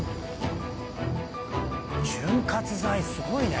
潤滑剤すごいね。